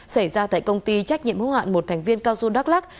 xảy ra tại công ty trách nhiệm hữu hạn một thành viên cao su đắk lắc